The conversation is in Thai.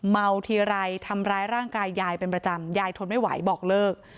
เมาทีไรทำร้ายร่างกายยายเป็นประจำยายทนไม่ไหวบอกเลิก